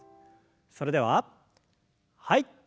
それでははい。